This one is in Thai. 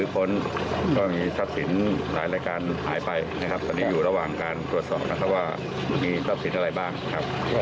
พอทราบผู้ขอเหตุได้ยังครับ